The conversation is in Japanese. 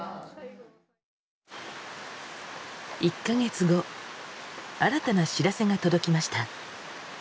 １か月後新たな知らせが届きました。